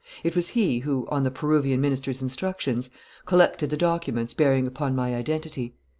It was he who, on the Peruvian Minister's instructions, collected the documents bearing upon my identity."